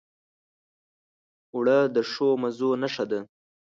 اوړه د ښو مزو نښه ده